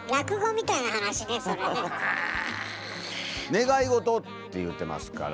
「願いごと」って言うてますから。